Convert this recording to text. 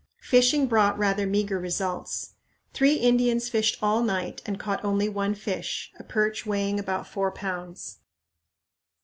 Fishing brought rather meager results. Three Indians fished all night and caught only one fish, a perch weighing about four pounds.